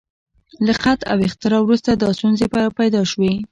د خط له اختراع وروسته دا ستونزې راپیدا شوې.